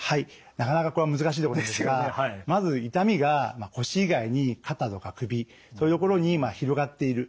なかなかこれは難しいところですがまず痛みが腰以外に肩とか首そういう所に広がっている。